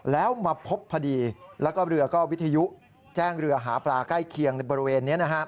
แล้วมาพบพอดีแล้วก็เรือก็วิทยุแจ้งเรือหาปลาใกล้เคียงในบริเวณนี้